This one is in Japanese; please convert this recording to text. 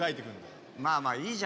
まあまあいいじゃないの。